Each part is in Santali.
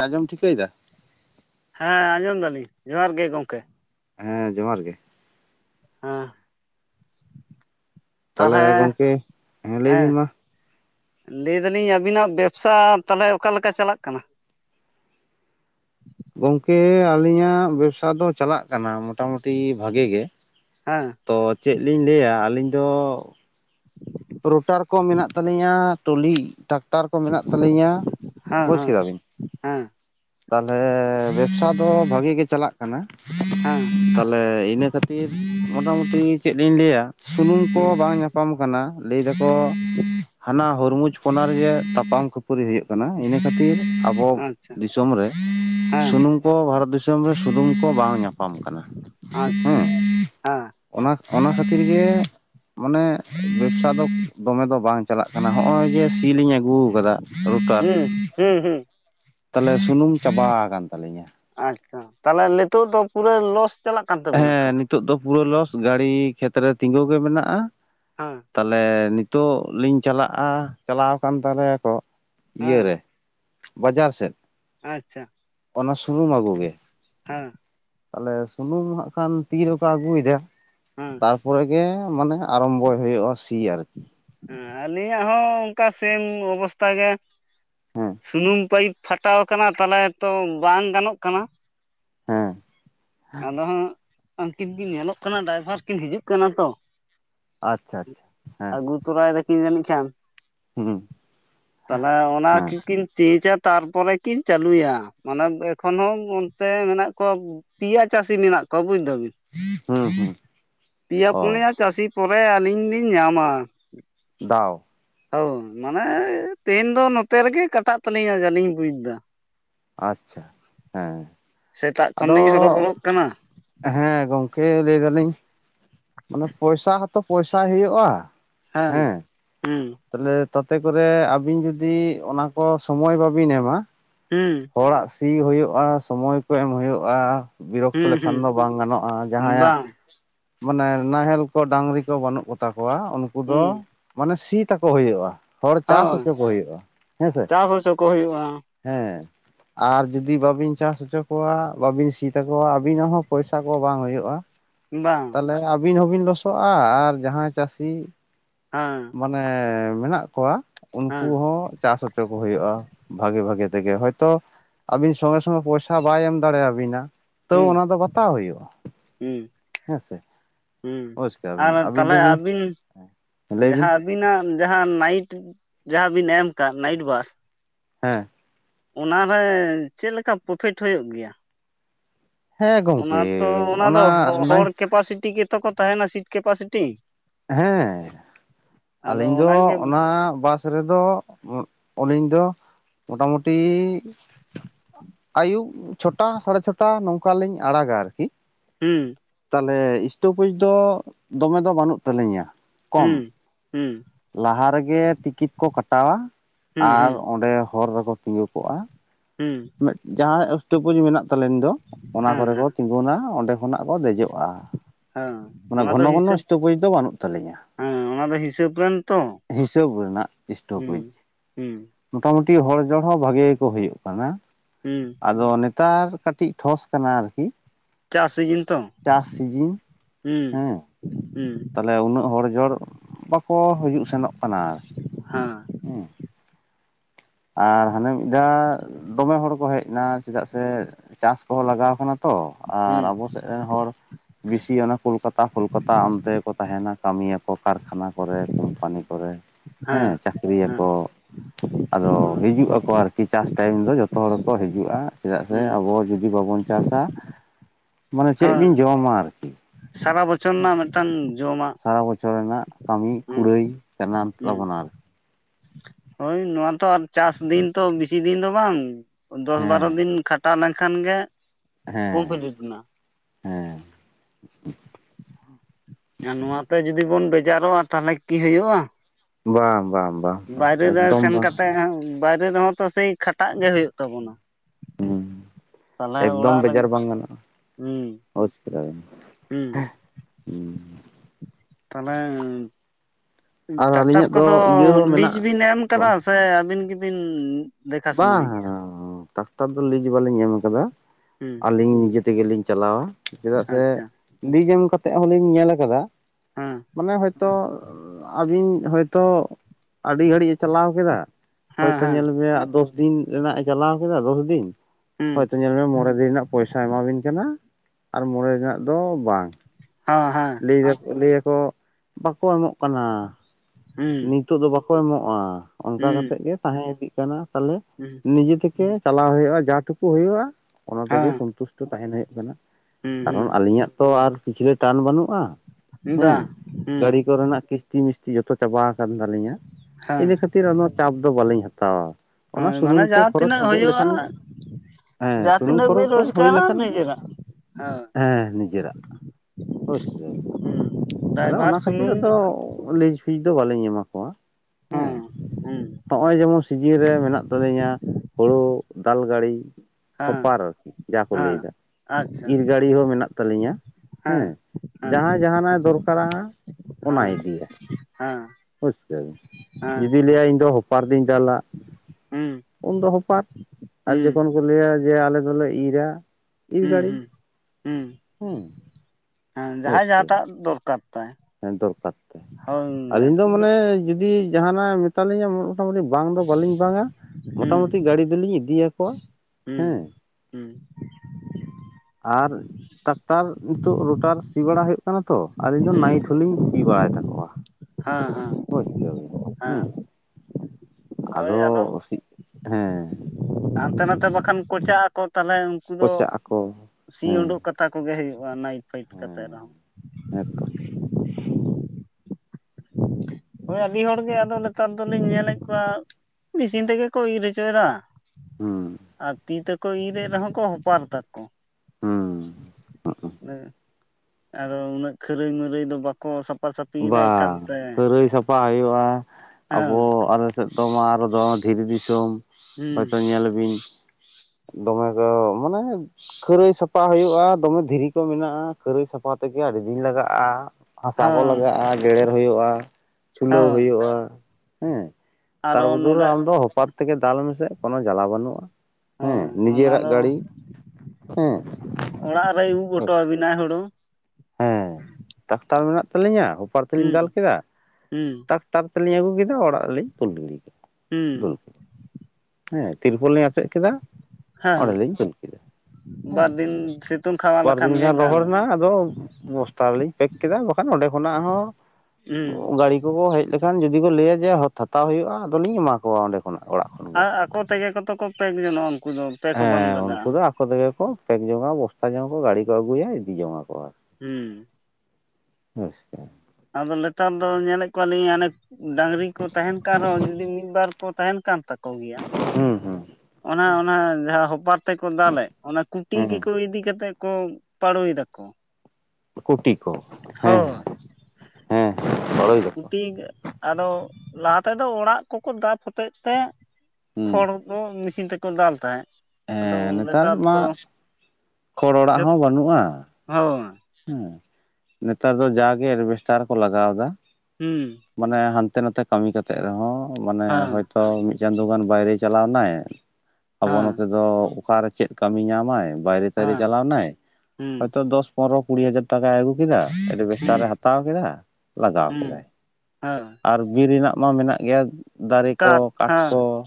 ᱟᱸᱡᱚᱢ ᱴᱷᱤᱠᱟᱹᱭᱮᱫᱟ? ᱦᱮᱸ ᱟᱸᱡᱚᱢ ᱫᱟᱞᱤᱧ ᱡᱚᱦᱟᱨ ᱜᱮ ᱜᱚᱢᱠᱮ᱾ ᱦᱮᱸ ᱡᱚᱦᱟᱨ ᱜᱮ ᱾ ᱦᱮᱸ ᱾ ᱛᱟᱦᱚᱞᱮ ᱜᱚᱝᱠᱮ, ᱦᱮᱸ ᱞᱟᱹᱭ ᱵᱤᱱ ᱢᱟ ᱾ ᱞᱟᱹᱭ ᱫᱟᱞᱤᱧ ᱟᱹᱵᱤᱱᱟᱜ ᱵᱮᱵᱽᱥᱟ ᱛᱟᱦᱚᱞᱮ ᱚᱠᱟᱞᱮᱠᱟ ᱪᱟᱞᱟᱜ ᱠᱟᱱᱟ? ᱜᱚᱝᱠᱮ ᱟᱹᱞᱤᱧᱟᱜ ᱵᱮᱵᱽᱥᱟ ᱫᱚ ᱪᱟᱞᱟᱜ ᱠᱟᱱᱟ ᱢᱚᱴᱟᱢᱩᱴᱤ ᱵᱷᱟᱜᱤ ᱜᱮ᱾ ᱦᱮᱸ ᱾ ᱛᱚ ᱪᱮᱫ ᱞᱤᱧ ᱞᱟᱹᱭᱟ ᱟᱹᱞᱤᱧ ᱫᱚ ᱨᱩᱴᱟᱨ ᱠᱚ ᱢᱮᱱᱟᱜ ᱛᱟᱹᱞᱤᱧᱟ ᱾ ᱴᱚᱞᱤ ᱴᱟᱠᱴᱟᱨ ᱠᱚ ᱢᱮᱱᱟᱜ ᱛᱟᱞᱤᱧᱟ ᱦᱮᱸ ᱵᱩᱡᱽ ᱦᱮᱸ ᱠᱮᱫᱟᱵᱤᱱ᱾ ᱛᱟᱦᱚᱞᱮ ᱵᱮᱵᱽᱥᱟ ᱫᱚ ᱵᱷᱟᱜᱤ ᱜᱮ ᱪᱟᱞᱟᱜ ᱠᱟᱱᱟ? ᱦᱩᱸ ᱾ ᱛᱟᱦᱚᱞᱮ ᱤᱱᱟᱹ ᱠᱷᱟᱹᱛᱤᱨ ᱢᱚᱴᱟᱢᱩᱴᱤ ᱪᱮᱫ ᱤᱧ ᱞᱟᱹᱭᱟ ᱥᱩᱱᱩᱢ ᱦᱮᱸ ᱠᱚ ᱵᱟᱝ ᱧᱟᱯᱟᱢ ᱠᱟᱱᱟ᱾ ᱞᱟᱹᱭ ᱫᱟᱠᱚ ᱦᱟᱱᱟ ᱦᱚᱲᱚᱢᱩᱡᱽ ᱯᱚᱨᱱᱟᱞᱤ ᱨᱮ ᱛᱟᱯᱟᱢ ᱠᱷᱟᱹᱯᱟᱹ ᱠᱷᱟᱹᱯᱟᱹᱨᱤ ᱦᱩᱭᱩᱜ ᱠᱟᱱᱟ ᱤᱱᱟᱹ ᱠᱷᱟᱹᱛᱤᱨ ᱟᱵᱚ ᱦᱩᱸ ᱟᱪᱪᱷᱟ ᱫᱤᱥᱚᱢ ᱨᱮ ᱦᱮᱸ ᱥᱩᱱᱩᱢ ᱟᱵᱚ ᱵᱷᱟᱨᱚᱛ ᱫᱤᱥᱚᱢ ᱨᱮ ᱥᱩᱱᱩᱢ ᱠᱚ ᱵᱟᱝ ᱧᱟᱯᱟᱢ ᱠᱟᱱᱟ ᱟᱪᱪᱷᱟ ᱦᱮᱸ᱾ ᱦᱮᱸ ᱚᱱᱟ ᱚᱱᱟ ᱠᱷᱟᱹᱛᱤᱨ ᱜᱮ ᱢᱟᱱᱮ ᱵᱮᱵᱽᱥᱟ ᱫᱚᱢᱮ ᱫᱚ ᱵᱟᱝ ᱪᱟᱞᱟᱜ ᱠᱟᱱᱟ ᱦᱚᱜᱼᱚᱭ ᱡᱮ ᱥᱤᱞᱤᱧ ᱟᱹᱜᱩ ᱟᱠᱟᱫᱟ ᱨᱚᱴᱟᱨ ᱦᱩᱸ ᱦᱩᱸ ᱦᱩᱸ ᱛᱟᱦᱚᱞᱮ ᱥᱩᱱᱩᱢ ᱪᱟᱵᱟ ᱠᱟᱱ ᱛᱟᱹᱞᱤᱧᱟ ᱾ ᱟᱪᱪᱷᱟ ᱛᱟᱦᱚᱞᱮ ᱱᱤᱛᱚᱜ ᱫᱚ ᱯᱩᱨᱟᱹ ᱞᱚᱥ ᱪᱟᱞᱟᱜ ᱠᱟᱱ ᱛᱟᱵᱤᱱᱟ ᱛᱚ? ᱦᱮᱸ ᱱᱤᱛᱚᱜ ᱫᱚ ᱯᱩᱨᱟᱹ ᱞᱚᱥ ᱜᱟᱹᱲᱤ ᱠᱷᱮᱛᱨᱮ ᱛᱤᱸᱜᱩ ᱜᱮ ᱢᱮᱱᱟᱜᱼᱟ ᱾ ᱦᱩᱸ ᱛᱟᱦᱚᱞᱮ ᱱᱤᱛᱚᱜ ᱞᱤᱧ ᱪᱟᱞᱟᱜᱼᱟ ᱪᱟᱞᱟᱣ ᱟᱠᱟᱱ ᱛᱟᱞᱮᱭᱟᱠᱚ, ᱦᱮᱸ ᱤᱭᱟᱹᱨᱮ ᱵᱟᱡᱟᱨ ᱥᱮᱫ᱾ ᱟᱪᱪᱷᱟ, ᱚᱱᱟ ᱦᱮᱸ ᱛᱟᱦᱚᱞᱮ ᱥᱩᱱᱩᱢ ᱦᱟᱸᱜ ᱠᱷᱟᱱ ᱛᱤᱨᱮᱠᱚ ᱟᱹᱜᱩᱭᱫᱟ ᱦᱮᱸ ᱾ ᱛᱟᱨᱯᱚᱨᱮ ᱜᱮ ᱢᱟᱱᱮ ᱟᱨᱟᱢᱵᱚᱭ ᱦᱩᱭᱩᱜᱼᱟ ᱥᱤ ᱟᱨᱠᱤ ᱾ ᱟᱹᱞᱤᱧᱟᱜ ᱦᱚᱸ ᱚᱱᱠᱟ ᱥᱮᱢ ᱚᱵᱚᱥᱛᱷᱟ ᱜᱮ ᱦᱮᱸ ᱥᱩᱱᱩᱢ ᱯᱟᱹᱭᱤᱯ ᱯᱷᱟᱴᱟᱣ ᱠᱟᱱᱟ ᱛᱟᱦᱚᱞᱮ ᱛᱚ ᱵᱟᱝ ᱜᱟᱱᱚᱜ ᱠᱟᱱᱟ᱾ ᱦᱮᱸ ᱟᱫᱚ ᱩᱱᱠᱤᱱ ᱠᱤᱱ ᱧᱮᱞᱚᱜ ᱠᱟᱱᱟ ᱰᱟᱭᱵᱷᱟᱨ ᱠᱤᱱ ᱦᱤᱡᱩᱜ ᱠᱟᱱᱟ ᱛᱚ᱾ ᱟᱪᱪᱷᱟ ᱟᱪᱪᱷᱟ ᱦᱮᱸ ᱟᱹᱜᱩ ᱛᱚᱨᱟᱭ ᱫᱟᱠᱤᱱ ᱡᱟᱹᱱᱤᱡ ᱠᱷᱟᱱ ᱦᱩᱸ ᱛᱟᱦᱚᱞᱮ ᱚᱱᱟ ᱦᱮᱸ ᱠᱚ ᱠᱤᱱ ᱪᱮᱡᱟ ᱛᱟᱨᱯᱚᱨᱮ ᱠᱤᱱ ᱪᱟᱹᱞᱩᱭᱟ᱾ ᱢᱟᱱᱮ ᱮᱠᱷᱚᱱ ᱦᱚᱸ ᱚᱱᱛᱮ ᱢᱮᱱᱟᱜ ᱠᱚᱣᱟ ᱯᱮᱭᱟ ᱪᱟᱹᱥᱤ ᱢᱮᱱᱟᱜ ᱠᱚᱣᱟ ᱵᱩᱡᱽ ᱫᱟᱹ ᱵᱤᱱ᱾ ᱦᱩᱸ ᱦᱩᱸ ᱯᱮᱭᱟ ᱚ ᱯᱩᱱᱭᱟ ᱪᱟᱹᱥᱤ ᱯᱚᱨᱮ ᱟᱹᱞᱤᱧ ᱞᱤᱧ ᱧᱟᱢ ᱟ᱾ ᱫᱟᱣ ᱦᱳ ᱢᱟᱱᱮ ᱛᱮᱦᱮᱧ ᱫᱚ ᱱᱚᱛᱮ ᱨᱮᱜᱮ ᱠᱟᱴᱟᱜ ᱛᱟᱹᱞᱤᱧᱟ ᱡᱟᱞᱤᱧ ᱵᱩᱡ ᱮᱫᱟ᱾ ᱟᱪᱪᱷᱟ ᱦᱮᱸ ᱥᱮᱛᱟᱜ ᱠᱷᱚᱱ ᱟᱫᱚ ᱞᱤᱧ ᱦᱚᱨᱚ ᱵᱚᱨᱚᱜ ᱠᱟᱱᱟ᱾ ᱦᱮᱸ ᱜᱚᱝᱠᱮ ᱞᱟᱹᱭ ᱫᱟᱞᱤᱧ ᱢᱟᱱᱮ ᱯᱚᱭᱥᱟ ᱦᱚᱸᱛᱚ ᱯᱚᱭᱥᱟ ᱦᱩᱭᱩᱜ-ᱟ᱾ ᱦᱮᱸ ᱦᱩᱸ ᱛᱟᱦᱚᱞᱮ ᱛᱟᱛᱮ ᱠᱚ ᱨᱮ ᱟᱹᱵᱤᱱ ᱡᱩᱫᱤ ᱚᱱᱟ ᱠᱚ ᱥᱚᱢᱚᱭ ᱵᱟᱹᱵᱤᱱ ᱮᱢᱟ᱾ ᱦᱩᱸ ᱦᱚᱲᱟᱜ ᱥᱤ ᱦᱩᱭᱩᱜ-ᱟ ᱥᱚᱢᱚᱭ ᱠᱚ ᱮᱢ ᱦᱩᱭᱩᱜ-ᱟ ᱵᱤᱨᱚᱠᱛᱚ ᱦᱩᱸ ᱞᱮᱠᱷᱟᱱ ᱫᱚ ᱦᱩᱸ ᱵᱟᱝ ᱜᱟᱱᱚᱜ-ᱟ ᱡᱟᱦᱟᱸᱭᱟᱜ ᱵᱟᱝ ᱢᱟᱱᱮ ᱱᱟᱦᱮᱞ ᱠᱚ ᱰᱟᱝᱨᱤ ᱠᱚ ᱵᱟᱹᱱᱩᱜ ᱠᱚ ᱛᱟᱠᱚᱣᱟ ᱩᱱᱠᱩ ᱫᱚ ᱦᱩᱸ ᱢᱟᱱᱮ ᱥᱤ ᱛᱟᱠᱚ ᱦᱩᱭᱩᱜ-ᱟ ᱦᱚᱲ ᱪᱟᱥ ᱦᱳᱭ ᱦᱚᱪᱚ ᱠᱚ ᱦᱩᱭᱩᱜ-ᱟ ᱦᱮᱸ ᱥᱮ ᱪᱟᱥ ᱦᱚᱪᱚ ᱠᱚ ᱦᱩᱭᱩᱜᱼᱟ ᱦᱮᱸ ᱟᱨ ᱡᱩᱫᱤ ᱵᱟᱹᱵᱤᱱ ᱪᱟᱥ ᱦᱚᱪᱚ ᱠᱚᱣᱟ ᱵᱟᱹᱵᱤᱱ ᱥᱤ ᱛᱟᱠᱚᱣᱟ ᱟᱹᱵᱤᱱ ᱱᱟᱜ ᱦᱚᱸ ᱯᱚᱭᱥᱟ ᱠᱚ ᱵᱟᱝ ᱦᱩᱭᱩᱜ-ᱟ᱾ ᱵᱟᱝ ᱛᱟᱦᱚᱞᱮ ᱟᱹᱵᱤᱱ ᱦᱚᱸᱵᱤᱱ ᱞᱚᱥᱚᱜ-ᱟ ᱟᱨ ᱡᱟᱦᱟᱸᱭ ᱪᱟᱹᱥᱤ ᱦᱟᱸ ᱢᱟᱱᱮ ᱢᱮᱱᱟᱜ ᱠᱚᱣᱟ ᱩᱱᱠᱩ ᱦᱚᱸ ᱪᱟᱥ ᱦᱚᱪᱚ ᱠᱚ ᱦᱩᱭᱩᱜ-ᱟ ᱵᱷᱟᱜᱮ ᱵᱷᱟᱜᱮ ᱛᱮ ᱜᱮ ᱦᱚᱭ ᱛᱚ ᱛᱚ ᱟᱹᱵᱤᱱ ᱥᱚᱸᱜᱮ ᱥᱚᱸᱜᱮ ᱯᱚᱭᱥᱟ ᱵᱟᱭ ᱮᱢ ᱫᱟᱲᱮ ᱟᱹᱵᱤᱱᱟ᱾ ᱛᱚ ᱦᱩᱸ ᱚᱱᱟ ᱫᱚ ᱵᱟᱛᱟᱣ ᱦᱩᱭᱩᱜ-ᱟ᱾ ᱦᱩᱸ ᱦᱮᱸ ᱥᱮ ᱦᱩᱸ ᱠᱷᱚᱡᱽ ᱠᱟᱜ ᱵᱤᱱ ᱟᱨ ᱟᱹᱵᱤᱱ ᱛᱟᱦᱚᱞᱮ ᱡᱩᱫᱤ ᱞᱟᱹᱭ ᱵᱤᱱ? ᱡᱟᱦᱟᱸ ᱟᱹᱵᱤᱱᱟᱜ ᱡᱟᱦᱟᱸ ᱱᱟᱭᱤᱴ ᱡᱟᱦᱟᱸ ᱵᱤᱱ ᱮᱢ ᱟᱠᱟᱜ-ᱟ ᱱᱟᱭᱤᱴ ᱵᱟᱥ ᱦᱮᱸ ᱚᱱᱟ ᱨᱮ ᱪᱮᱫ ᱞᱮᱠᱟ ᱯᱚᱴᱮᱴᱷᱚᱭᱚᱜ ᱜᱮᱭᱟ? ᱦᱮᱸ ᱚᱱᱟ ᱜᱚᱝᱠᱮ ᱛᱚ ᱚᱱᱟ ᱫᱚ ᱦᱚᱲ ᱠᱮᱯᱟᱥᱤᱴᱤ ᱜᱮ ᱛᱚ ᱠᱚ ᱛᱟᱦᱮᱱᱟ ᱥᱤᱴ ᱠᱮᱯᱟᱥᱤᱴᱤ ᱦᱮᱸᱻ ᱟᱫᱚ ᱟᱹᱞᱤᱧ ᱫᱚ ᱚᱱᱟᱜᱮ ᱚᱱᱟ ᱵᱟᱥ ᱨᱮ ᱫᱚ ᱟᱹᱞᱤᱧ ᱫᱚ ᱢᱚᱴᱟᱢᱩᱴᱤ ᱟᱹᱭᱩᱵ ᱪᱷᱚᱴᱟ ᱥᱟᱲᱮ ᱪᱷᱚᱴᱟ ᱱᱚᱝᱠᱟ ᱞᱤᱧ ᱟᱲᱟᱜᱟ ᱟᱨᱠᱤ ᱦᱩᱸ ᱛᱟᱦᱚᱞᱮ ᱥᱴᱚᱯᱤᱡᱽ ᱫᱚ ᱫᱚᱢᱮ ᱫᱚ ᱵᱟᱹᱱᱩᱜ ᱛᱟᱹᱞᱤᱧᱟ ᱠᱚᱢ, ᱦᱩᱸ ᱦᱩᱸ ᱞᱟᱦᱟ ᱨᱮ ᱜᱮ ᱴᱤᱠᱤᱴ ᱠᱚ ᱠᱟᱴᱟᱣᱟ ᱦᱩᱸ ᱟᱨ ᱦᱩᱸ ᱚᱸᱰᱮ ᱦᱚᱨ ᱨᱮ ᱠᱚ ᱛᱤᱸᱜᱩ ᱠᱚᱜ-ᱟ᱾ ᱦᱩᱸ ᱡᱟᱦᱟᱸ ᱥᱴᱚᱯᱤᱡᱽ ᱢᱮᱱᱟᱜ ᱛᱟᱞᱮᱱ ᱫᱚ ᱚᱱᱟ ᱠᱚ ᱦᱮᱸ ᱨᱮ ᱠᱚ ᱦᱮᱸ ᱛᱤᱸᱜᱩᱱᱟ ᱚᱸᱰᱮ ᱠᱷᱚᱱᱟᱜ ᱠᱚ ᱫᱮᱡᱚᱜ-ᱟ᱾ ᱦᱮ ᱚᱱᱟ ᱜᱷᱚᱱᱚ ᱜᱷᱚᱱᱚ ᱥᱴᱚᱯᱤᱡᱽ ᱫᱚ ᱵᱟᱹᱱᱩᱜ ᱛᱟᱹᱞᱤᱧᱟ ᱦᱩᱮᱸ ᱚᱱᱟ ᱫᱚ ᱦᱤᱥᱟᱹᱵ ᱜᱟᱱ ᱛᱚ ᱦᱤᱥᱟᱹᱵ ᱨᱮᱱᱟᱜ [inaudible] ᱦᱩᱸ ᱥᱴᱚᱯᱮᱡᱽ ᱦᱩᱸᱼᱼ ᱢᱚᱴᱟᱢᱩᱴᱤ ᱦᱚᱲ ᱡᱚᱲ ᱦᱚᱸ ᱵᱷᱟᱜᱮ ᱜᱮ ᱠᱚ ᱦᱩᱭᱩᱜ ᱠᱟᱱᱟ᱾ ᱦᱩᱸ᱾ ᱟᱫᱚ ᱱᱮᱛᱟᱨ ᱠᱟᱹᱴᱤᱡ ᱴᱷᱚᱥ ᱠᱟᱱᱟ ᱟᱨᱠᱤᱼᱼ ᱪᱟᱥ ᱥᱤᱡᱤᱱ ᱛᱚ ᱦᱩᱸ ᱦᱩᱸ᱾ ᱛᱟᱦᱞᱮ ᱩᱱᱟᱹᱜ ᱦᱚᱲ ᱡᱚᱲ ᱵᱟᱠᱚ ᱦᱤᱡᱩᱜ ᱥᱮᱱᱚᱜ ᱠᱟᱱᱟ᱾ ᱦᱟᱸ᱾ ᱦᱮᱸ [inaudible] ᱟᱨ ᱦᱟᱱᱮ ᱢᱤᱫ ᱫᱷᱟ ᱫᱚᱢᱮ ᱦᱚᱲ ᱠᱚ ᱦᱮᱡ ᱮᱱᱟ, ᱪᱮᱫᱟᱜ ᱥᱮ ᱪᱟᱥ ᱠᱚ ᱦᱚᱸ ᱞᱟᱜᱟᱣ ᱟᱠᱟᱱᱟᱼᱼ ᱛᱚ ᱟᱨ ᱦᱩᱸ ᱟᱵᱚᱼᱼ ᱥᱮᱫ ᱨᱮᱱ ᱦᱚᱲ ᱵᱤᱥᱤ ᱚᱱᱟ ᱠᱳᱞᱠᱟᱛᱟ, ᱠᱳᱞᱠᱟᱛᱟ ᱚᱱᱛᱮ ᱜᱮ ᱠᱚ ᱛᱟᱦᱮᱱᱟ ᱠᱟᱹᱢᱤᱭᱟ [inaudible] ᱼᱼ ᱠᱚ ᱠᱟᱨᱠᱷᱟᱱᱟ ᱠᱚ ᱨᱮ ᱠᱳᱢᱯᱟᱱᱤ ᱠᱚ ᱨᱮ ᱦᱮᱸ ᱪᱟᱹᱠᱨᱤᱭᱟ ᱦᱮᱸ ᱠᱚᱼᱼ ᱟᱫᱚ ᱦᱤᱡᱩᱜ ᱟᱠᱚ ᱟᱨᱠᱤ ᱪᱟᱥ ᱴᱟᱭᱤᱢ ᱫᱚ ᱡᱚᱛᱚ ᱦᱚᱲ ᱠᱚ ᱦᱤᱡᱩᱜᱼᱟ, ᱪᱮᱫᱟᱜ ᱥᱮ ᱦᱩᱸ ᱟᱵᱚ ᱡᱩᱫᱤ ᱵᱟᱵᱚᱱ ᱪᱟᱥᱟᱼᱼ [inaudible] ᱢᱟᱱᱮ ᱪᱮᱜ ᱦᱳᱭ ᱵᱤᱱ ᱡᱚᱢᱟ ᱟᱨᱠᱤ ᱥᱟᱨᱟ ᱵᱚᱪᱷᱚᱨ ᱨᱮᱱᱟᱜ ᱢᱤᱫᱴᱟᱝ ᱡᱚᱢᱟᱜ [inaudible] ᱥᱟᱨᱟ ᱵᱚᱪᱷᱚᱨ ᱨᱮᱱᱟᱜ᱾ ᱠᱟᱹᱢᱤ ᱦᱮᱸ ᱠᱩᱲᱟᱹᱭ ᱠᱟᱱᱟ ᱛᱟᱵᱚᱱᱟ ᱟᱨ [unintelligible] ᱼᱼ ᱦᱚᱭ ᱱᱚᱣᱟ ᱛᱚ ᱟᱨ ᱪᱟᱥ ᱫᱤᱱ ᱛᱚ ᱵᱤᱥᱤ ᱫᱤᱱ ᱫᱚ ᱵᱟᱝ ᱫᱚᱥ ᱵᱟᱨᱚ ᱦᱮᱸ ᱫᱤᱱ ᱠᱷᱟᱴᱼᱼ ᱴᱟ ᱞᱮᱱ ᱠᱷᱟᱱ ᱜᱮ ᱦᱮᱸ ᱠᱚᱢᱯᱞᱤᱴ ᱮᱱᱟ [inaudible] ᱦᱮᱸ ᱟᱨ ᱱᱚᱣᱟ ᱛᱮ ᱡᱩᱫᱤ ᱵᱚᱱ ᱵᱮᱡᱟᱨᱚᱜᱼᱟ, ᱛᱟᱦᱞᱮ ᱠᱤ ᱦᱩᱭᱩᱜᱼᱟ᱾ ᱵᱟᱝ, ᱵᱟᱝ, ᱵᱟᱝ᱾ ᱵᱟᱝ ᱵᱟᱭᱨᱮ ᱨᱮ ᱮᱠᱫᱚᱢ ᱥᱮᱱ ᱵᱟᱝ ᱠᱟᱛᱮᱜ ᱦᱚᱸ, ᱵᱟᱭᱨᱮ ᱨᱮᱦᱚᱸ ᱛᱚ ᱥᱮᱭ ᱠᱷᱟᱴᱟᱜ ᱜᱮ ᱦᱩᱭᱩᱜ ᱛᱟᱵᱚᱱᱟ᱾ ᱦᱩᱸ ᱛᱟᱦᱚᱞᱮ ᱮᱠᱫᱚᱢ ᱚᱲᱟᱜ ᱨᱮ ᱵᱮᱡᱟᱨ ᱵᱟᱝ ᱜᱟᱱᱚᱜ-ᱟ, ᱦᱩᱸ ᱚᱥᱩᱵᱤᱫᱷᱟᱼᱼ ᱩᱸ ᱦᱩᱸ [inaudible] ᱛᱟᱞᱦᱮ ᱟᱨ ᱴᱟᱠᱴᱟᱨ ᱟᱹᱞᱤᱧᱟᱜ ᱠᱚᱫᱚ ᱫᱚ ᱤᱭᱟᱹ ᱦᱚᱸ ᱞᱤᱡ ᱵᱤᱱ ᱮᱢ ᱢᱮᱱᱟᱜᱼᱟ ᱟᱠᱟᱫᱟᱼᱼ ᱥᱮ ᱟᱹᱵᱤᱱ ᱜᱮ ᱵᱤᱱᱼᱼ ᱵᱟᱸ ᱟᱸ ᱴᱟᱠᱴᱟᱨ ᱫᱚ ᱞᱤᱡ ᱵᱟᱹᱞᱤᱧ ᱮᱢ ᱟᱠᱟᱫᱟ᱾ ᱦᱩᱸ ᱟᱹᱞᱤᱧ ᱱᱤᱡᱮ ᱛᱮᱜᱮ ᱞᱤᱧ ᱪᱟᱞᱟᱣᱟ, ᱪᱮᱫᱟᱜ ᱥᱮ ᱟᱪᱪᱷᱟ ᱞᱤᱡ ᱮᱢ ᱠᱟᱛᱮᱫ ᱦᱚᱸᱞᱤᱧ ᱧᱮᱞ ᱟᱠᱟᱫᱟᱼᱼ ᱦᱮᱸ ᱢᱟᱱᱮ ᱦᱚᱭᱛᱚ ᱟᱹᱵᱤᱱ ᱦᱚᱭᱛᱚᱼᱼ ᱟᱹᱰᱤ ᱜᱷᱟᱹᱲᱤᱡ ᱮ ᱪᱟᱞᱟᱣ ᱠᱮᱫᱟ ᱦᱮᱸ ᱦᱚᱭᱛᱚ ᱦᱮᱸ ᱧᱮᱞ ᱢᱮ [unintelligible] ᱼᱼ ᱫᱚᱥ ᱫᱤᱱ ᱨᱮᱱᱟᱜ ᱮ ᱪᱟᱞᱟᱣ ᱠᱮᱫᱟ, ᱫᱚᱥ ᱫᱤᱱ ᱦᱩᱸ ᱦᱚᱭ‌ ᱛᱚᱼᱼ ᱧᱮᱞᱢᱮ ᱢᱚᱬᱮ ᱫᱤᱱ ᱨᱮᱱᱟᱜ ᱯᱚᱭᱥᱟ ᱮᱢᱟᱵᱤᱱ ᱠᱟᱱᱟ ᱟᱨ ᱢᱚᱬᱮ ᱫᱤᱱᱟᱜ ᱫᱚ ᱵᱟᱝ᱾ ᱦᱟᱸ ᱦᱮᱸ ᱞᱟᱹᱭ ᱮᱫᱟ, ᱞᱟᱹᱭ ᱟᱠᱚ ᱵᱟᱠᱚ ᱮᱢᱚᱜ ᱠᱟᱱᱟ ᱱᱤᱛᱼᱼ ᱱᱤᱛᱚᱜ ᱫᱚ ᱵᱟᱠᱚ ᱮᱢᱚᱜ-ᱟ, ᱚᱱᱠᱟ ᱠᱟᱛᱮᱜ ᱜᱮ ᱛᱟᱦᱮᱸ ᱤᱫᱤᱜ ᱠᱟᱱᱟ ᱛᱟᱞᱮᱼᱼ ᱦᱩᱸ ᱱᱤᱡᱮ ᱛᱮᱠᱮ ᱪᱟᱞᱟᱣ ᱦᱩᱭᱩᱜ-ᱟ, ᱡᱟ ᱴᱩᱠᱩ ᱦᱩᱭᱩᱜ-ᱟ ᱚᱱᱟ ᱛᱮᱜᱮ ᱦᱮᱸ ᱥᱚᱱᱛᱩᱥᱴᱚ ᱛᱟᱦᱮᱸᱱ ᱦᱩᱭᱩᱜ ᱠᱟᱱᱟ᱾ ᱦᱩᱸ ᱠᱟᱨᱚᱱ ᱟᱹᱞᱤᱧᱟᱜ ᱛᱚ ᱟᱨ ᱠᱤᱪᱷᱩ ᱨᱮ ᱴᱟᱱ ᱵᱟᱱᱩᱜ-ᱟ᱾ ᱦᱩᱸ ᱵᱟᱝ ᱦᱮᱸ, ᱦᱩᱸ ᱜᱟᱹᱲᱤ ᱠᱚᱨᱮᱱᱟᱜ ᱠᱤᱥᱛᱤ ᱢᱤᱥᱛᱤ ᱡᱚᱛᱚ ᱪᱟᱵᱟ ᱟᱠᱟᱱ ᱛᱟᱹᱞᱤᱧᱟ ᱦᱮᱸ ᱤᱱᱟᱹ ᱠᱷᱟᱹᱼᱼ ᱛᱤᱨ ᱚᱱᱟ ᱪᱟᱯ ᱫᱚ ᱵᱟᱹᱞᱤᱧ ᱦᱟᱛᱟᱣᱟ, ᱚᱱᱟ ᱦᱮᱸ ᱢᱟᱱᱮ ᱥᱩᱱᱩᱢ ᱠᱚ ᱡᱟᱦᱟᱸ ᱠᱷᱚᱨᱚᱪ ᱛᱤᱱᱟᱹᱜ ᱩᱰᱩᱜ ᱞᱮᱠᱷᱟᱱ ᱦᱩᱭᱩᱜᱼᱟ ᱜᱮᱼᱼ ᱦᱮᱸ ᱡᱟᱦᱟᱸ ᱥᱩᱱᱩᱢ ᱛᱤᱱᱟᱹᱜ ᱵᱤᱱ ᱠᱚᱨᱢᱚᱛᱚ ᱦᱩᱭ ᱨᱳᱡᱽᱜᱟᱨᱟ ᱞᱮᱠᱷᱟᱱ ᱜᱮ, ᱱᱤᱡᱮᱨᱟᱜ ᱦᱮᱸ ᱱᱤᱡᱮᱨᱟᱜᱺ ᱦᱚᱭ ᱥᱮ ᱦᱩᱸ ᱛᱟᱞᱦᱮ ᱰᱟᱭᱵᱷᱟᱨ ᱚᱱᱟ ᱠᱷᱟᱹᱛᱤᱨ ᱥᱩᱱᱩᱢ ᱟᱫᱚ ᱞᱤᱡᱼᱼ ᱞᱤᱡ ᱫᱚ ᱵᱟᱞᱤᱧ ᱮᱢᱟ ᱠᱚᱣᱟ ᱦᱮᱸ ᱦᱩᱸ ᱱᱚᱜ-ᱚᱭ ᱡᱮᱢᱚᱱ ᱥᱤᱡᱤᱱ ᱨᱮ ᱢᱮᱱᱟᱜᱼᱼ ᱛᱟᱹᱞᱤᱧᱟ ᱦᱩᱲᱩ ᱫᱟᱞ ᱜᱟᱹᱲᱤ ᱦᱮᱸ ᱦᱚᱯᱟᱨ ᱟᱨᱠᱤ ᱡᱟ ᱠᱚ ᱞᱟᱹᱭ ᱦᱮᱸ ᱮᱫᱟ᱾ ᱟᱪᱪᱷᱟ ᱤᱨ ᱜᱟᱹᱲᱤ ᱦᱚᱸ ᱢᱮᱱᱟᱜ ᱛᱟᱹᱞᱤᱧᱟ ᱦᱮᱸ, ᱦᱮᱸ ᱦᱮᱸ ᱡᱟᱦᱟᱸᱭ ᱡᱟᱦᱟᱸᱱᱟᱜ ᱮ ᱫᱚᱨᱠᱟᱨᱟᱜᱼᱟᱼᱼ ᱚᱱᱟᱭ ᱦᱮᱸ ᱤᱫᱤᱭᱟ ᱵᱩᱡᱽ ᱥᱮ ᱡᱩᱫᱤ ᱟᱪᱪᱷᱟ ᱞᱟᱹᱭᱟᱭ ᱤᱧ ᱫᱚ ᱦᱚᱯᱟᱨ ᱛᱤᱧ ᱫᱟᱞᱟᱼᱼ ᱦᱩᱸ᱾ ᱩᱱ ᱫᱚ ᱦᱚᱯᱟᱨ, ᱟᱨ ᱦᱩᱸ ᱡᱚᱠᱷᱚᱱ ᱠᱚ ᱞᱟᱹᱭᱟ ᱡᱮ ᱟᱞᱮ ᱫᱚᱞᱮ ᱤᱨᱟ ᱤᱨ ᱜᱟᱹᱲᱤ ᱦᱩᱸ ᱦᱩᱸ ᱦᱩᱸ ᱦᱩᱸ᱾ ᱦᱮᱸ ᱡᱟᱦᱟᱸᱭ ᱡᱟᱦᱟᱸᱴᱟᱜ ᱫᱚᱨᱠᱟᱨ᱾ ᱛᱟᱭ ᱦᱮᱸ ᱫᱚᱨᱠᱟᱨ ᱛᱟᱭ, ᱦᱳᱭ ᱟᱹᱞᱤᱧ ᱫᱚ ᱟᱨᱠᱤ ᱦᱩᱸ ᱢᱟᱱᱮ ᱡᱩᱫᱤ ᱡᱟᱦᱟᱸᱱᱟᱜ ᱮ ᱢᱮᱛᱟᱞᱤᱧᱟ ᱢᱚᱴᱟᱢᱩᱴᱤ ᱵᱟᱝ ᱫᱚ ᱵᱟᱹᱞᱤᱧ ᱵᱟᱝ-ᱟ, ᱦᱩᱸ ᱢᱚᱴᱟᱢᱩᱴᱤ ᱜᱟᱲᱤ ᱫᱚᱞᱤᱧ ᱤᱫᱤᱭᱟ ᱠᱚᱣᱟ ᱦᱩᱸ ᱦᱮᱸ᱾ ᱦᱮᱸ [inaudible] ᱟᱨ ᱴᱟᱠᱴᱟᱨ ᱱᱤᱛᱚᱜ ᱨᱩᱴᱟᱨ ᱥᱤ ᱵᱟᱲᱟ ᱦᱩᱭᱩᱜ ᱠᱟᱱᱟ ᱛᱚ, ᱟᱞᱤᱧ ᱫᱚ ᱱᱟᱭᱤᱴ ᱦᱚᱸᱞᱤᱧ ᱥᱤ ᱵᱟᱲᱟᱭ ᱛᱟᱠᱚᱣᱟ᱾ ᱦᱮᱸ ᱦᱮᱸ᱾ ᱚᱵᱚᱥᱥᱳᱭ ᱦᱮᱸ᱾ ᱟᱫᱚ ᱥᱤᱜ ᱦᱮᱸ᱾ ᱦᱟᱱᱛᱮ ᱱᱟᱛᱮ ᱵᱟᱠᱷᱟᱱ ᱠᱚᱪᱟᱜ ᱟᱠᱚ ᱛᱟᱦᱚᱞᱮ ᱩᱱᱠᱩ ᱫᱚ ᱠᱚᱪᱟᱜ ᱟᱠᱚ ᱥᱤ ᱩᱰᱩᱠ ᱠᱟ ᱛᱟ ᱠᱚᱜᱮ ᱦᱩᱭᱩᱜ-ᱟ ᱱᱟᱭᱤᱴ ᱯᱷᱟᱭᱤᱴ ᱠᱟᱛᱮ ᱨᱮᱦᱚᱸ᱾ ᱦᱮᱸ ᱛᱚ᱾ ᱦᱳᱭ ᱟᱹᱰᱤ ᱦᱚᱲᱜᱮ ᱟᱫᱚ ᱱᱮᱛᱟᱨ ᱫᱚᱞᱮ ᱧᱮᱞᱮᱫ ᱠᱚᱣᱟ ᱢᱤᱥᱤᱱ ᱛᱮᱜᱮ ᱠᱚ ᱤᱨ ᱦᱚᱪᱚᱭᱫᱟ, ᱦᱩᱸ᱾ ᱟᱨ ᱛᱤ ᱛᱮᱠᱚ ᱤᱨ ᱮᱫ ᱨᱮᱦᱚᱸ ᱠᱚ ᱦᱚᱯᱟᱨ ᱫᱟᱠᱚ᱾ ᱦᱩᱸ ᱚᱱᱮ ᱟᱨᱚ ᱩᱱᱟᱹᱜ ᱠᱷᱟᱹᱨᱟᱹᱭ ᱢᱟᱹᱨᱟᱹᱭ ᱫᱚ ᱵᱟᱠᱚ ᱥᱟ ᱯᱟ ᱥᱟᱯᱤ ᱫᱟ ᱮᱠᱟᱞ ᱵᱟᱝ ᱠᱷᱟᱹᱨᱟᱹᱭ ᱥᱟᱯᱟ ᱦᱩᱭᱩᱜ-ᱟ, ᱦᱮᱸ ᱟᱵᱚ ᱟᱞᱮᱥᱮᱫ ᱫᱚ ᱢᱟ ᱟᱨᱚ ᱫᱚ ᱫᱷᱤᱨᱤ ᱫᱤᱥᱚᱢ᱾ ᱦᱩᱸ ᱦᱳᱭᱛᱚ ᱧᱮᱞ ᱵᱤᱱ ᱫᱚᱢᱮ ᱠᱚ ᱢᱟᱱᱮ ᱠᱷᱟᱹᱨᱟᱹᱭ ᱥᱟᱯᱟ ᱦᱩᱭᱩᱜ-ᱟ, ᱫᱚᱢᱮ ᱫᱷᱤᱨᱤ ᱠᱚ ᱢᱮᱱᱟᱜ-ᱟ ᱠᱷᱟᱹᱨᱟᱹᱭ ᱥᱟᱯᱷᱟ ᱛᱮᱜᱮ ᱟᱹᱰᱤ ᱫᱤᱱ ᱞᱟᱜᱟᱜ-ᱟ᱾ ᱦᱟᱥᱟ ᱠᱚ ᱦᱮᱸ ᱞᱟᱜᱟᱜᱼᱟ, ᱜᱮᱰᱮᱨ ᱦᱳᱭᱳᱜᱼᱟ, ᱪᱷᱩᱞᱟᱹᱣ ᱦᱮᱸ ᱦᱳᱭᱳᱜᱼᱟ ᱦᱮᱸ᱾ ᱛᱟᱨ ᱟᱨᱚ ᱵᱚᱫᱚᱞᱮ ᱱᱚᱰᱮ ᱟᱢᱫᱚ ᱦᱚᱯᱟᱨᱛᱮᱜᱮ ᱫᱟᱞ ᱢᱮᱥᱮ ᱠᱳᱱᱳ ᱡᱟᱞᱟ ᱵᱟᱹᱱᱩᱜᱼᱟ᱾ ᱦᱮᱸ ᱚᱱᱟ ᱱᱤᱡᱮᱨᱟᱜ ᱫᱚ ᱜᱟᱹᱲᱤ ᱦᱮᱸ ᱚᱲᱟᱜ ᱨᱮᱭ ᱩᱵ ᱦᱚᱴᱚᱵᱤᱱᱟᱭ ᱦᱳᱲᱳ᱾ ᱦᱮᱸ ᱴᱟᱠᱴᱟᱨ ᱢᱮᱱᱟᱜ ᱛᱟᱞᱤᱧᱟ ᱦᱚᱯᱟᱨ ᱛᱮᱞᱤᱧ ᱦᱩᱸ ᱫᱟᱞ ᱠᱮᱫᱟ, ᱦᱩᱸ ᱴᱟᱠ ᱴᱟᱨ ᱛᱮᱞᱤᱧ ᱟᱹᱜᱩ ᱠᱮᱫᱟ ᱚᱲᱟᱜ ᱨᱮ ᱞᱤᱧ ᱫᱩᱞ ᱜᱤᱫᱟ ᱠᱮᱫᱟ ᱦᱩᱸ ᱫᱩᱞ ᱠᱮᱫᱟ᱾ ᱦᱮᱸ ᱛᱤᱨᱯᱚᱞ ᱞᱤᱧ ᱟᱴᱮᱜ ᱠᱮᱫᱟ, ᱦᱮᱸ ᱚᱸᱰᱮᱞᱤᱧ ᱫᱩᱞ ᱠᱮᱫᱟ, ᱵᱟᱨ ᱦᱮᱸ ᱫᱤᱱ ᱥᱤᱛᱩᱝ ᱠᱷᱟᱣᱟ ᱞᱮᱠᱷᱟᱱ ᱵᱟᱨᱫᱤᱱ ᱜᱮ ᱜᱟᱱ ᱨᱚᱦᱚᱲᱱᱟ ᱟᱫᱚ ᱵᱚᱥᱛᱟ ᱨᱮᱞᱤᱧ ᱯᱮᱠ ᱠᱮᱫᱟ ᱵᱟᱠᱷᱟᱱ ᱚᱸᱰᱮ ᱠᱷᱚᱱᱟᱜ ᱦᱩᱸ ᱦᱚᱸ ᱜᱟᱹᱲᱤ ᱠᱚᱠᱚ ᱦᱮᱡ ᱞᱮᱠᱷᱟᱱ ᱡᱩᱫᱤ ᱠᱚ ᱞᱟᱹᱭᱟ ᱡᱮ ᱦᱚᱛ ᱦᱟᱛᱟᱣ ᱦᱩᱭᱩᱜᱼᱟ ᱟᱫᱚᱞᱤᱧ ᱮᱢᱟ ᱠᱚᱣᱟ ᱚᱰᱮᱚᱱᱟᱜ ᱚᱲᱟᱜ ᱠᱷᱚᱱᱟᱜ᱾ ᱟᱨ ᱟᱠᱚ ᱛᱮᱜᱮ ᱠᱚᱫᱚ ᱠᱚ ᱯᱮᱠ ᱡᱚᱱᱚᱜᱼᱟ ᱩᱱᱠᱩ ᱫᱚ ᱯᱮᱠ ᱦᱚᱸ ᱵᱟᱝ ᱞᱟᱜᱟᱜᱼᱟ᱾ ᱠᱚ ᱛᱮᱜᱮ ᱠᱚ ᱯᱮᱠ ᱡᱚᱝᱟ, ᱵᱚᱥᱛᱟ ᱡᱚᱝᱟ ᱠᱚ, ᱜᱟᱹᱤ ᱠᱚ ᱟᱹᱜᱩᱭᱟ ᱤᱫᱤ ᱡᱚᱝᱟ ᱠᱚ ᱟᱨ᱾ ᱦᱩᱸ᱾ ᱦᱳᱭᱥᱮ᱾ ᱟᱫᱚ ᱱᱮᱛᱟᱨ ᱫᱚ ᱧᱮᱞᱮᱫ ᱠᱚᱣᱟᱞᱤᱧ ᱟᱱᱮᱠ ᱰᱟᱝᱨᱤ ᱠᱚ ᱛᱟᱸᱦᱮᱱ ᱠᱟᱱ ᱨᱮᱦᱚᱸ ᱡᱩᱫᱤ ᱢᱤᱫᱵᱟᱨ ᱠᱚ ᱛᱟᱸᱦᱮᱱ ᱠᱟᱱ ᱛᱟᱠᱚ ᱜᱮᱭᱟ, ᱦᱩᱸ ᱦᱩᱸ ᱚᱱᱟ ᱚᱱᱟ ᱡᱟᱦᱟᱸ ᱦᱚᱯᱟᱨ ᱛᱮᱠᱚ ᱫᱟᱞᱮᱫ, ᱚᱱᱟ ᱠᱩᱴᱤ ᱦᱮᱸ ᱜᱮᱠᱚ ᱤᱫᱤ ᱠᱟᱛᱮᱫ ᱠᱚ ᱯᱟᱲᱳᱭ ᱫᱟᱠᱚ᱾ ᱠᱩᱴᱤ? ᱠᱚ ᱦᱮᱸ ᱦᱮᱸ ᱵᱟᱲᱟᱭ ᱦᱳᱭ᱾ ᱫᱟᱠᱚ ᱴᱤ ᱟᱫᱚ ᱞᱟᱦᱟ ᱛᱮᱫᱚ ᱚᱲᱟᱜ ᱠᱚᱠᱚ ᱫᱟᱵ ᱦᱚᱛᱮᱡ ᱛᱮ ᱦᱩᱸ ᱠᱷᱚᱲ ᱜᱚ ᱢᱤᱥᱤᱱ ᱛᱮᱠᱚ ᱫᱟᱞ ᱛᱟᱦᱮᱸᱜ᱾ ᱦᱮᱸ ᱱᱮᱛᱟᱨ ᱢᱟ ᱠᱷᱚᱲ ᱚᱲᱟᱜ ᱡᱚᱛ ᱦᱚᱸ ᱵᱟᱹᱱᱩᱜᱼᱟ᱾ ᱦᱳᱭ ᱦᱩᱸ ᱱᱮᱛᱟᱨ ᱫᱚ ᱡᱟᱜᱮ ᱮᱨᱵᱮᱥᱴᱟᱨ ᱠᱚ ᱞᱟᱜᱟᱣ ᱫᱟ᱾ ᱦᱩᱸ ᱢᱟᱱᱮ ᱦᱟᱱᱛᱮ ᱱᱟᱛᱮ ᱠᱟᱹᱢᱤ ᱠᱟᱛᱮᱜ ᱨᱮ ᱦᱚᱸ ᱢᱟᱱᱮ ᱦᱮᱸ ᱦᱚᱭ ᱛᱚ᱾ ᱚ ᱢᱤᱫ ᱪᱟᱸᱫᱳ ᱜᱟᱱ ᱵᱟᱭᱨᱮᱭ ᱪᱟᱞᱟᱣ ᱮᱱᱟᱭ ᱟᱵᱚ ᱱᱚ ᱦᱮᱸ ᱛᱮ ᱫᱚ ᱚᱠᱟᱨᱮ ᱪᱮᱫ ᱠᱟᱹᱢᱤ ᱧᱟᱢᱟᱭ ᱵᱟᱭ ᱨᱮ ᱛᱟᱭ ᱨᱮ ᱦᱮᱸ ᱪᱟᱞᱟᱣ ᱱᱟᱭ ᱦᱩᱸ ᱦᱚᱭ ᱛᱚ ᱫᱚᱥ ᱯᱚᱱᱨᱚ ᱠᱩᱲᱤ ᱦᱟᱡᱟᱨ ᱴᱟᱠᱟᱭ ᱟᱹᱜᱩ ᱠᱮᱫᱟ ᱮᱹᱰᱵᱮᱥᱴᱟ ᱦᱩᱸ ᱨᱮ ᱦᱟᱛᱟᱣ ᱠᱮᱫᱟ ᱞᱟᱜᱟᱣ ᱦᱩᱸ ᱠᱮᱫᱟᱭ᱾ ᱦᱮᱸ ᱟᱨ ᱵᱤᱨ ᱨᱮᱱᱟᱜ ᱢᱟ ᱢᱮᱱᱟᱜ ᱜᱮᱭᱟ ᱫᱟᱨᱮ ᱠᱟᱴ ᱠᱚ ᱠᱟᱴᱷ ᱦᱮᱸ ᱠᱚ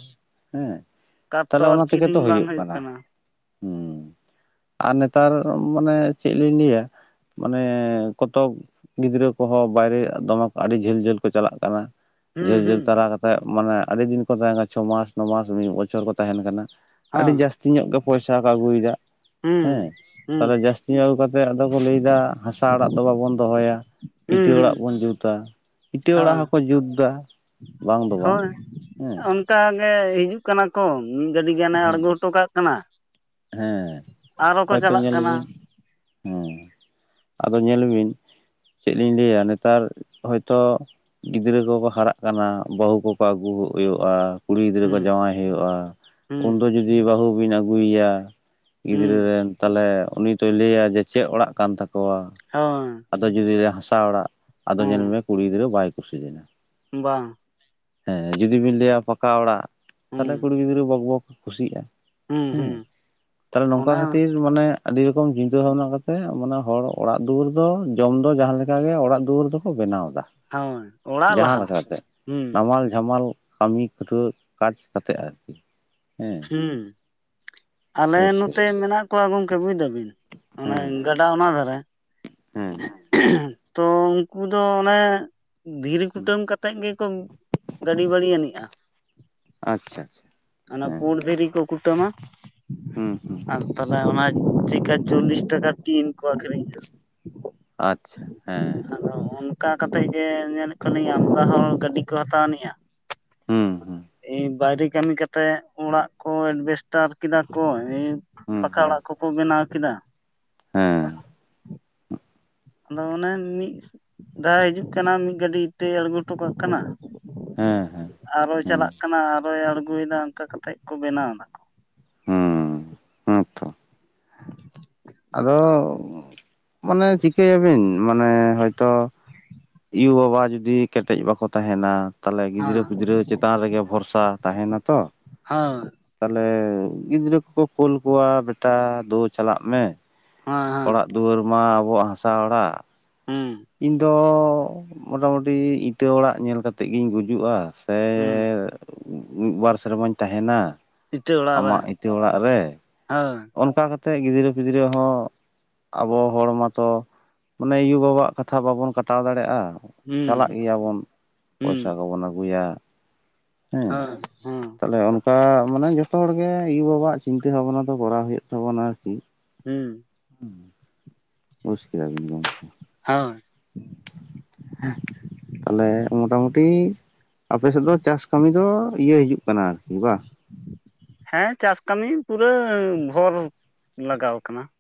ᱦᱮᱸ᱾ ᱠᱟᱴ ᱛᱚ ᱛᱟᱦᱞᱮ ᱟᱨ ᱚᱱᱟ ᱛᱮ ᱜᱮ ᱠᱤᱨᱤᱧ ᱛᱚ ᱵᱟᱝ ᱦᱳᱭᱳᱜ ᱦᱩᱭᱩᱜ ᱠᱟᱱᱟ᱾ ᱦᱩᱸ ᱟᱨ ᱱᱮᱛᱟᱨ ᱢᱟᱱᱮ ᱪᱮᱫ ᱞᱤᱧ ᱞᱟᱹᱭᱟ᱾ ᱢᱟᱱᱮ ᱠᱚᱛ ᱜᱤᱫᱽᱨᱟᱹ ᱠᱚ ᱦᱚᱸ ᱵᱟᱭ ᱨᱮ ᱫᱚᱢᱮ ᱟᱹᱰᱤ ᱡᱷᱟᱹᱞ ᱡᱷᱟᱹᱞ ᱠᱚ ᱪᱟᱞᱟᱜ ᱠᱟᱱᱟ᱾ ᱦᱩᱸ ᱡᱷᱟᱹᱞ ᱡᱷᱟᱹᱞ ᱦᱩᱸ ᱛᱟᱨᱟ ᱠᱟ ᱠᱟᱛᱮᱫ ᱢᱟᱱᱮ ᱟᱹᱰᱤ ᱫᱤᱱ ᱠᱚ ᱛᱟᱦᱮᱸ ᱠᱟᱱᱟ ᱪᱷᱚ ᱢᱟᱥ ᱱᱚ ᱢᱟᱥ ᱢᱤᱫ ᱵᱚᱪᱷᱚᱨ ᱠᱚ ᱛᱟᱦᱮᱱ ᱠᱟᱱᱟ᱾ ᱟᱹᱰᱤ ᱦᱮᱸ ᱡᱟᱹᱥᱛᱤ ᱧᱚᱜ ᱜᱮ ᱯᱚᱭᱥᱟ ᱠᱚ ᱟᱹᱜᱩᱭ ᱮᱫᱟ ᱦᱩᱸ ᱦᱮᱸ ᱦᱩᱸ ᱛᱟᱦᱚᱞᱮ ᱡᱟᱹᱥ ᱪᱟᱹᱣ ᱠᱟᱛᱮ ᱟᱫᱚ ᱠᱚ ᱞᱟᱹᱭ ᱫᱟ ᱦᱟᱥᱟ ᱟᱲᱟᱜ ᱫᱚ ᱵᱟᱵᱚᱱ ᱫᱚᱦᱚᱭᱟ ᱦᱩᱸ ᱤᱴᱟᱹ ᱦᱩᱸ ᱟᱲᱟᱜ ᱵᱚᱱ ᱡᱩᱛᱟ᱾ ᱤᱴᱟᱹ ᱚᱲᱟᱜ ᱦᱳᱭ ᱦᱚᱸᱠᱚ ᱡᱩᱛ ᱫᱟ ᱵᱟᱝ ᱫᱚ ᱵᱟᱝ ᱦᱮᱸ᱾ ᱚᱠᱟ ᱜᱮ ᱦᱤᱡᱩᱜ ᱠᱟᱱᱟ ᱠᱚ ᱢᱤᱫ ᱜᱟᱹᱰᱤ ᱜᱟᱱᱮ ᱦᱮᱸ ᱟᱬᱜᱚ ᱦᱚᱴᱚ ᱠᱟᱜ ᱠᱟᱱᱟ᱾ ᱦᱮᱸ ᱟᱨᱚ ᱠᱚ ᱦᱳᱭᱛᱳ ᱪᱟᱞᱟᱜ ᱧᱮᱞ ᱠᱟᱱᱟ ᱵᱤᱱ ᱦᱮᱸ᱾ ᱟᱫᱚ ᱧᱮᱞ ᱵᱤᱱ ᱪᱮᱫ ᱞᱤᱧ ᱞᱟᱹᱭᱟ ᱱᱮᱛᱟᱨ ᱦᱚᱭᱛᱚ ᱾ ᱜᱤᱫᱽᱨᱟᱹ ᱠᱚᱠᱚ ᱦᱟᱨᱟᱜ ᱠᱟᱱᱟ ᱵᱟᱹᱦᱩ ᱠᱚᱠᱚ ᱟᱹᱜᱩ ᱦᱳᱭᱳᱜᱼᱟ᱾ ᱠᱩᱲᱤ ᱜᱤᱫᱽᱨᱟᱹ ᱠᱚ ᱦᱩᱸ ᱡᱟᱶᱟᱭ ᱦᱳᱭᱳᱜᱼᱟ᱾ ᱦᱩᱸ ᱩᱱᱫᱚ ᱡᱩᱫᱤ ᱵᱟᱹᱦᱩ ᱵᱤᱱ ᱟᱹᱜᱩᱭᱭᱟ᱾ ᱜᱤᱫᱽᱨᱟᱹ ᱦᱩᱸ ᱨᱮᱱ ᱛᱟᱦᱚᱞᱮ ᱩᱱᱤ ᱫᱚᱚᱭ ᱞᱟᱹᱭᱟ ᱡᱮ ᱪᱮᱫ ᱚᱲᱟᱜ ᱠᱟᱱ ᱛᱟᱠᱚᱣᱟ᱾ ᱦᱚᱭ ᱟᱫᱚ ᱡᱩᱫᱤ ᱞᱮ ᱦᱟᱥᱟ ᱚᱲᱟᱜ ᱟᱫᱚ ᱧᱮᱞ ᱢᱮᱭᱟ ᱠᱩᱲᱤ ᱜᱤᱫᱽᱨᱟᱹ ᱵᱟᱭ ᱠᱩᱥᱤ ᱞᱮᱱᱟ᱾ ᱵᱟᱝ ᱦᱮᱸ ᱡᱩᱫᱤ ᱵᱤᱱ ᱞᱟᱹᱭᱟ ᱯᱟᱠᱟ ᱚᱲᱟᱜ ᱛᱟᱦᱚᱞᱮ ᱦᱩᱸ ᱠᱩᱲᱤ ᱜᱤᱫᱽᱨᱟᱹ ᱵᱚᱠ ᱵᱚᱠ ᱠᱩᱥᱤᱜᱼᱟ᱾ ᱦᱩᱸ ᱦᱩᱸ ᱦᱮᱸ ᱛᱟᱦᱚᱞᱮ ᱱᱚᱝᱠᱟ ᱚᱱᱟ ᱠᱷᱟᱹᱛᱤᱨ ᱢᱟᱱᱮ ᱟᱹᱰᱤ ᱨᱚᱠᱚᱢ ᱪᱤᱫᱟᱹ ᱵᱷᱟᱵ ᱠᱟᱛᱮᱫ ᱢᱟᱱᱮ ᱦᱚᱲ ᱚᱲᱟᱜ ᱫᱩᱣᱟᱹᱨ ᱫᱚ ᱡᱚᱢ ᱫᱚ ᱡᱟᱦᱟᱸ ᱞᱮᱠᱟᱜᱮ ᱚᱲᱟᱜ ᱫᱩᱣᱟᱹᱨ ᱫᱚ ᱠᱚ ᱵᱮᱱᱟᱣ ᱮᱫᱟ᱾ ᱦᱳᱭ ᱚᱲᱟᱜ ᱡᱟᱦᱟᱸ ᱞᱟᱦᱟ ᱞᱮᱠᱟᱛᱮ ᱦᱩᱸ ᱱᱟᱢᱟᱞ ᱡᱷᱟᱢᱟᱞ ᱠᱟᱹᱢᱤ ᱠᱷᱟᱴᱣᱟᱹ ᱠᱟᱡᱽ ᱠᱟᱛᱮ ᱟᱨᱠᱤ ᱦᱮᱸ ᱦᱩᱸ ᱟᱞᱮ ᱵᱩᱡᱽ ᱱᱚᱛᱮ ᱠᱮᱫᱟᱢ ᱢᱮᱱᱟᱜ ᱠᱚᱣᱟ ᱜᱚᱝᱠᱮ ᱵᱩᱡ ᱫᱟᱵᱤᱱ ᱟᱱᱮ ᱦᱮᱸ ᱜᱟᱰ ᱚᱱᱟ ᱫᱷᱟᱨᱮ ᱦᱮᱸ ᱛᱚ ᱩᱱᱠᱩ ᱫᱚ ᱚᱱᱮ ᱫᱷᱤᱨᱤ ᱠᱩᱴᱟᱹᱢ ᱠᱟᱛᱮᱜ ᱜᱮᱠᱚ ᱜᱟᱹᱰᱤ ᱵᱟᱹᱲᱤ ᱟᱹᱱᱤᱡᱜᱼᱟ᱾ ᱟᱪᱪᱷᱟ ᱟᱪᱪᱷᱟ ᱚᱱᱟ ᱦᱮᱸ ᱯᱩᱸᱲ ᱫᱷᱤᱨᱤ ᱠᱚ ᱠᱩᱴᱟᱹᱢᱟ᱾ ᱦᱩᱸ ᱦᱩᱸ ᱟᱨ ᱛᱟᱦᱚᱞᱮ ᱚᱱᱟ ᱪᱮᱮᱠᱟ ᱪᱚᱞᱞᱤᱥ ᱴᱟᱠᱟ ᱴᱤᱱ ᱠᱚ ᱟᱹᱷᱨᱤᱧᱟ ᱟᱪᱪᱷᱟ ᱦᱮᱸ ᱟᱫᱚ ᱚᱱᱠᱟ ᱠᱟᱛᱮᱫ ᱜᱮ ᱧᱮᱞᱮᱫ ᱠᱚᱣᱟ ᱞᱤᱧᱟᱹ ᱟᱡᱫᱟ ᱦᱚᱲ ᱜᱟᱹᱰᱤ ᱠᱚ ᱦᱟᱛᱟᱣᱱᱤᱡᱼᱟ ᱦᱩᱸ ᱦᱩᱸ ᱮ ᱵᱟᱨᱮ ᱠᱟᱢᱤ ᱛᱮ ᱚᱲᱟᱜ ᱠᱚ ᱮᱰᱵᱮᱥᱴᱟᱨ ᱠᱮᱫᱟ ᱠᱚ ᱦᱩᱸ ᱯᱟᱠᱟ ᱦᱩᱸ ᱚᱲᱟᱜ ᱠᱚᱠᱚ ᱵᱮᱱᱟᱣ ᱠᱮᱫᱟ ᱦᱮᱸ ᱟᱫᱚ ᱚᱱᱮ ᱢᱤᱫ ᱫᱷᱟᱨ ᱦᱤᱡᱩᱜ ᱠᱟᱱᱟ ᱢᱤᱫ ᱜᱟᱹᱰᱤ ᱤᱴᱟᱹᱭ ᱟᱬᱜᱚ ᱦᱚᱴᱚ ᱠᱟᱜ ᱠᱟᱱᱟ ᱾ ᱦᱮᱸ ᱦᱮᱸ ᱟᱨᱚᱭ ᱦᱩᱸ ᱪᱟᱞᱟᱜ ᱠᱟᱱᱟ ᱟᱨᱚᱭ ᱟᱬᱜᱚᱭᱮᱫᱟ ᱚᱱᱠᱟ ᱠᱟᱛᱮᱫ ᱠᱚ ᱵᱮᱱᱟᱣᱫᱟ ᱾ ᱦᱩᱸ ᱦᱮᱸ ᱛᱚ ᱾ ᱟᱫᱚ ᱢᱟᱱᱮ ᱪᱤᱠᱟᱹᱭᱟᱵᱤᱱ ᱢᱟᱱᱮ ᱦᱚᱭᱛᱚᱼᱼ ᱟᱭᱳ ᱵᱟᱵᱟ ᱡᱩᱫᱤ ᱠᱮᱴᱮᱡ ᱵᱟᱠᱚ ᱛᱟᱦᱮᱱᱟᱼᱼ ᱛᱟᱦᱞᱮ ᱜᱤᱫᱽᱨᱟᱹ ᱦᱮᱸ ᱯᱤᱫᱽᱨᱟᱹ ᱪᱮᱛᱟᱱ ᱨᱮᱜᱮ ᱵᱷᱚᱨᱥᱟ ᱛᱟᱦᱮᱱᱟ ᱛᱚ ᱦᱳᱭ ᱾ ᱛᱟᱦᱚᱞᱮ ᱜᱤᱫᱽᱨᱟᱹ ᱠᱚᱠᱚ ᱠᱩᱞ ᱠᱚᱣᱟ ᱵᱮᱴᱟ ᱫᱩ ᱪᱟᱞᱟᱜ ᱢᱮᱼᱼ ᱦᱮᱸ ᱦᱮᱸ ᱫᱩᱣᱟᱹᱨ ᱢᱟ ᱟᱵᱚᱣᱟᱜ ᱦᱟᱥᱟ ᱚᱲᱟᱜᱼᱼ ᱦᱩᱸ ᱤᱧ ᱫᱚ ᱢᱚᱴᱟ ᱢᱩᱴᱤ ᱤᱴᱟᱹ ᱚᱲᱟᱜ ᱧᱮᱞ ᱠᱟᱛᱮᱫ ᱜᱤᱧ ᱜᱩᱡᱩᱜᱼᱟ ᱾ ᱦᱩᱸ ᱢᱤᱫ ᱵᱟᱨ ᱥᱮᱨᱢᱟᱧ ᱛᱟᱦᱮᱱᱟ ᱾ ᱤᱴᱟᱹ ᱚᱲᱟᱜ ᱨᱮ ᱦᱳᱭ ᱾ ᱚᱱᱠᱟ ᱠᱟᱛᱮᱜ ᱜᱤᱫᱽᱨᱟᱹ ᱯᱤᱫᱽᱨᱟᱹ ᱦᱚᱸᱼᱼ ᱟᱵᱚ ᱦᱚᱲ ᱢᱟᱛᱚ ᱢᱟᱱᱮ ᱟᱭᱩ ᱵᱟᱵᱟᱣᱟᱜ ᱠᱟᱛᱷᱟ ᱵᱟᱵᱚᱱ ᱠᱟᱴᱟᱣ ᱫᱟᱲᱮᱭᱟᱜᱼᱟ ᱾ ᱪᱟᱞᱟᱜ ᱦᱩᱸ ᱜᱮᱭᱟᱵᱚᱱ ᱯᱚᱭᱥᱟ ᱦᱩᱸ ᱠᱚᱵᱚᱱ ᱟᱜᱩᱭᱟᱼᱼ ᱦᱮᱸ, ᱦᱳᱭ ᱦᱮᱸ ᱛᱟᱦᱚᱞᱮ ᱚᱱᱠᱟ ᱢᱟᱱᱮ ᱡᱚᱛᱚ ᱦᱚᱲ ᱜᱮ ᱟᱭᱩ ᱵᱟᱵᱟᱜ ᱪᱤᱱᱛᱟᱹ ᱵᱷᱟᱵᱱᱟᱼᱼ ᱫᱚ ᱠᱚᱨᱟᱣ ᱦᱩᱭᱩᱜ ᱛᱟᱵᱚᱱᱟ ᱟᱨᱠᱤᱼᱼ ᱦᱩᱸ [inaudible] ᱵᱩᱡᱽ ᱠᱮᱫᱟᱵᱤᱱ ᱜᱚᱢᱠᱮ ᱾ ᱦᱳᱭ [unintelligible] ᱛᱟᱦᱚᱞᱮ ᱢᱚᱴᱟ ᱢᱩᱴᱤ ᱟᱯᱮᱥᱮᱫ ᱫᱚ ᱪᱟᱥ ᱠᱟᱹᱢᱤ ᱫᱚ ᱤᱭᱟᱹ ᱦᱤᱡᱩᱜ ᱠᱟᱱᱟ ᱟᱨᱠᱤ ᱵᱟᱝ ᱾ ᱦᱮᱸ ᱪᱟᱥ ᱠᱟᱹᱢᱤ ᱯᱩᱨᱟᱹ ᱵᱷᱳᱨ ᱞᱟᱜᱟᱣ ᱠᱟᱱᱟ ᱾